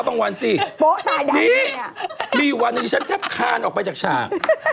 พระปูจะบ่ายไหม